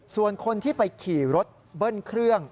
ส่วนคนที่ไปขี่รถเบิ้ลเครื่อง